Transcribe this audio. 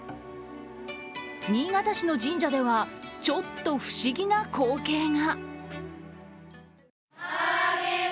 新潟市の神社ではちょっと不思議な光景が。